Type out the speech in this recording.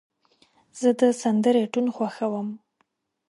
زه د سندرې ټون خوښوم.